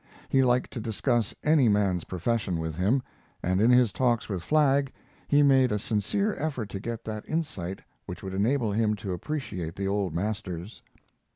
He liked to discuss any man's profession with him, and in his talks with Flagg he made a sincere effort to get that insight which would enable him to appreciate the old masters.